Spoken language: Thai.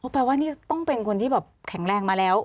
แปลว่านี่ต้องเป็นคนที่แบบแข็งแรงมาแล้ว